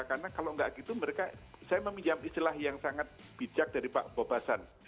karena kalau tidak begitu saya meminjam istilah yang sangat bijak dari pak bobasan